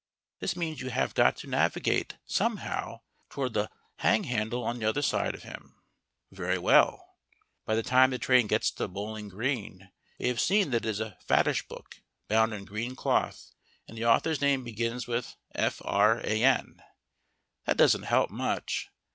This means you have got to navigate, somehow, toward the hang handle on the other side of him. Very well. By the time the train gets to Bowling Green we have seen that it is a fattish book, bound in green cloth, and the author's name begins with FRAN. That doesn't help much.